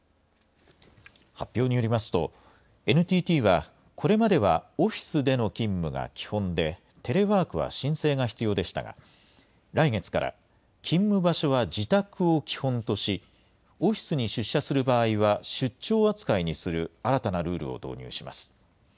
発表によりますと、ＮＴＴはこれまではオフィスでの勤務が基本で、テレワークは申請が必要でしたが、来月から、勤務場所は自宅を基本とし、オフィスに出社する場合は、出張扱いにする新たなルールを導入します。